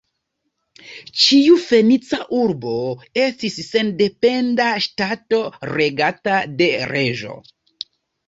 Ĉiu Fenica urbo estis sendependa ŝtato regata de reĝo.